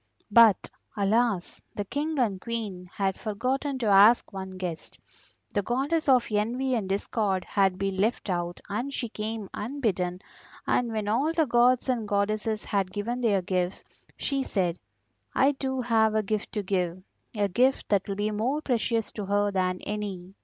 But, alas! the King and Queen had forgotten to ask one guest. The Goddess of Envy and Discord had been left out, and she came unbidden, and when all the gods and goddesses had given their gifts, she said: 'I too have a gift to give, a gift that will be more precious to her than any.